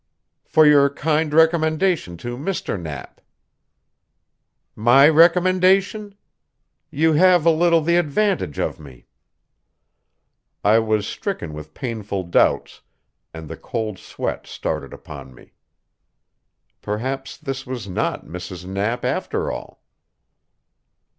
"For your kind recommendation to Mr. Knapp." "My recommendation? You have a little the advantage of me." I was stricken with painful doubts, and the cold sweat started upon me. Perhaps this was not Mrs. Knapp after all.